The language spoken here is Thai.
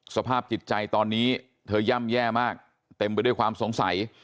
สภาพจิตใจตอนนี้เธอย่ำแย่มากเต็มไปด้วยความสงสัย